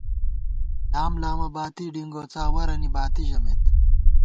لام لامہ باتی، ڈِنگوڅا ورَنی باتی ژمېت